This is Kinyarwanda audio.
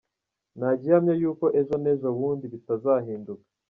Nta gihamya y’uko ejo n’ejobundi bitazahinduka.